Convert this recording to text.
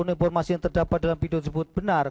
namun informasi yang terdapat dalam video tersebut benar